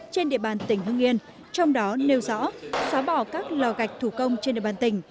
trên địa bàn tỉnh hưng yên trong đó nêu rõ xóa bỏ các lò gạch thủ công trên địa bàn tỉnh